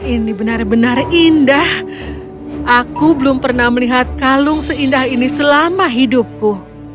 ini benar benar indah aku belum pernah melihat kalung seindah ini selama hidupku